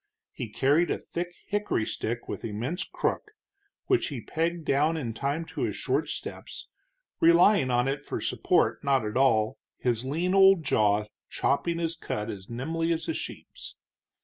He carried a thick hickory stick with immense crook, which he pegged down in time to his short steps, relying on it for support not at all, his lean old jaw chopping his cud as nimbly as a sheep's.